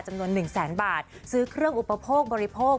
จำนวน๑แสนบาทซื้อเครื่องอุปโภคบริโภค